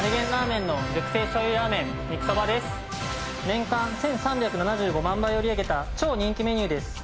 年間１３７５万杯を売り上げた超人気メニューです。